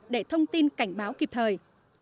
để thông tin cảnh báo kịp thời